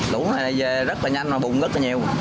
lũ này về rất là nhanh mà bùng rất là nhiều